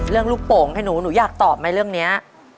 ลูกโป่งให้หนูหนูอยากตอบไหมเรื่องนี้